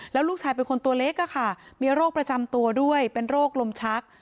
แล้วลูกชายเป็นคนตัวเล็กมีโรคประจำตัวด้วยเป็นโรคลมชัก